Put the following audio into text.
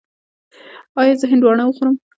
ایا زه هندواڼه وخورم؟